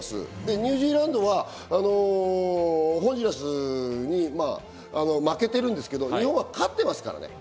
ニュージーランドはホンジュラスに負けてるんですけど、日本は勝ってますからね。